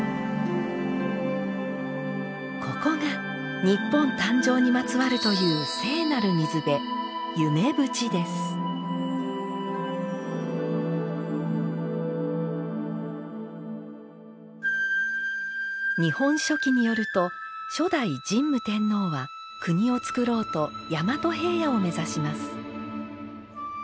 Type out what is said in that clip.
ここが日本誕生にまつわるという聖なる水辺「日本書紀」によると初代神武天皇は国をつくろうと大和平野を目指します。